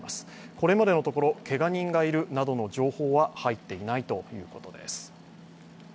これまでのところ、けが人がいるなどの情報は入っていないということです。